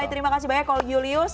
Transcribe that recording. baik terima kasih banyak kol julius